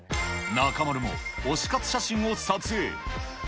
中丸も推し活写真を撮影。